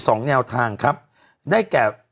สองแนวทางครับได้แก่